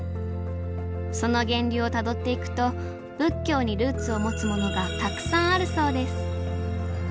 その源流をたどっていくと仏教にルーツを持つものがたくさんあるそうです。